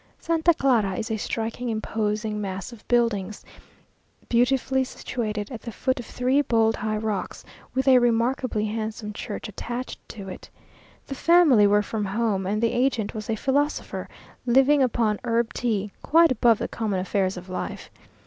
Santa Clara is a striking, imposing mass of building, beautifully situated at the foot of three bold, high rocks, with a remarkably handsome church attached to it. The family were from home, and the agent was a philosopher, living upon herb tea, quite above the common affairs of life.